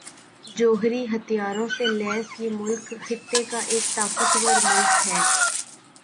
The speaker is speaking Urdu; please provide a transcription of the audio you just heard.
جوہری ہتھیاروں سے لیس یہ ملک خطے کا ایک طاقتور ملک ہے